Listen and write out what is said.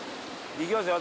いきますよ